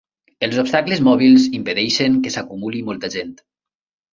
Els obstacles mòbils impedeixen que s'acumuli molta gent.